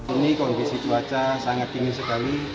ini kondisi cuaca sangat dingin sekali